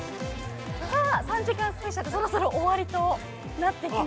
さあ３時間スペシャルそろそろ終わりとなってきました。